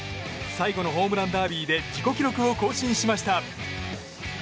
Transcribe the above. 最後のホームランダービーで自己記録を更新しました。